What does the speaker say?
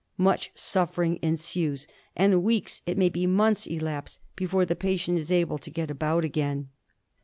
Much suffering ensues, and weeks, it may be months, elapse before the patient is able to get about again.